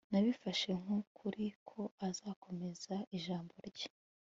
Nabifashe nkukuri ko azakomeza ijambo rye